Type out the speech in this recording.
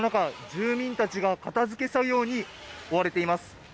住民たちが片付け作業に追われています。